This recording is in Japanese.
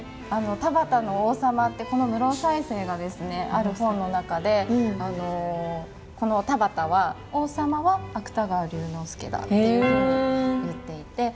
「田端の王様」ってこの室生犀星がですねある本の中でこの田端は王様は芥川龍之介だっていうふうに言っていて。